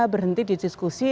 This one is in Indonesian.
berhenti di diskusi